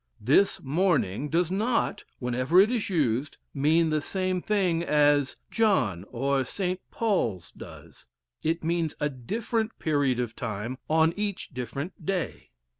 "This morning" does not, whenever it is used, mean the same thing, as "John" or "St. Paul's" does; it means a different period of time on each different day.